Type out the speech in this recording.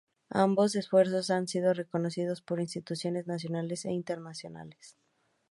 Ambos esfuerzos han sido reconocidos por instituciones nacionales e internacionales.